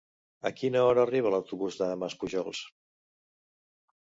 A quina hora arriba l'autobús de Maspujols?